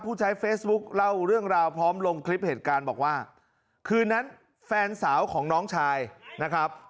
ผู้ใช้เฟซบุ๊คเล่าเรื่องราวพร้อมลงคลิปเหตุการณ์บอกว่าคืนนั้นแฟนสาวของน้องชายนะครับ